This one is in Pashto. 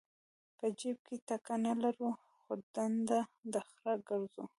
په جیب کې ټکه نه لرو خو ډنډه د خره ګرځو.